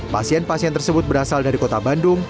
pasien pasien tersebut berasal dari kota bandung